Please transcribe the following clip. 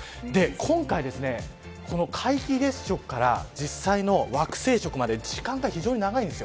今回、この皆既月食から実際の惑星食まで時間が非常に長いんです。